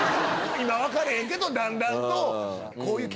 今はわからへんけどだんだんと。